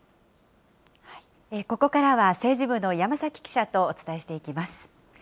ここからは、政治部の山崎記者とお伝えしていきます。